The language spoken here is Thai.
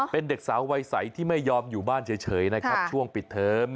เป็นเด็กสาววัยใสที่ไม่ยอมอยู่บ้านเฉยนะครับช่วงปิดเทอม